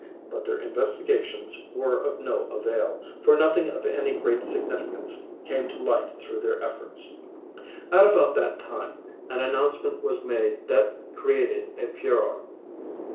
But their investigations were of no avail, for nothing of any great significance came to light through their efforts. At about that time, an announcement was made that created a furor.